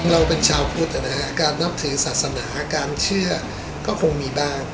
เราเป็นชาวพุทธนะฮะการนับถือศาสนาการเชื่อก็คงมีบ้าง